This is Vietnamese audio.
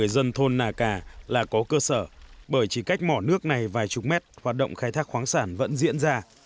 dân thôn nà cà là có cơ sở bởi chỉ cách mỏ nước này vài chục mét hoạt động khai thác khoáng sản vẫn diễn ra